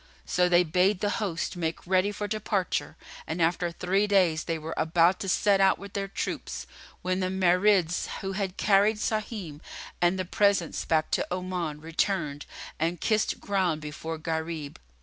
So they bade the host make ready for departure and after three days, they were about to set out with their troops, when the Marids, who had carried Sahim and the presents back to Oman, returned and kissed ground before Gharib.